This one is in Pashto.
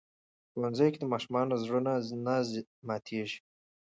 په ښوونځي کې د ماشومانو زړونه نه ماتېږي.